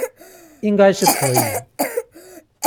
應該是可以